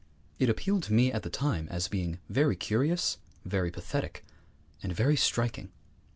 It appealed to me at the time as being very curious, very pathetic, and very striking.